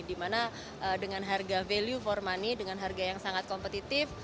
dimana dengan harga value for money dengan harga yang sangat kompetitif